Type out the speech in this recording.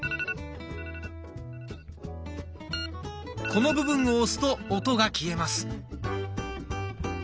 この部分を押すと音が消えます。